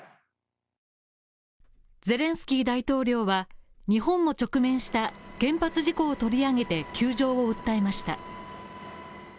ゼレンスキー大統領は日本も直面した原発事故を取り上げて窮状を訴えました。